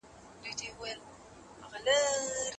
هر خوراک محدود عمر لري.